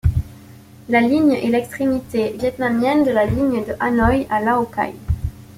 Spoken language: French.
La ligne est l’extrémité vietnamienne de la ligne de Hanoï à Lào Cai.